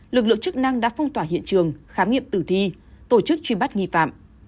lực lượng chức năng đã phong tỏa hiện trường khám nghiệm tử thi tổ chức truy bắt nghi phạm